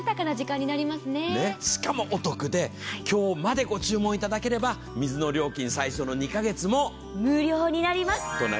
しかもお得で、今日までご注文いただければ水の料金、最初の２か月も無料になります。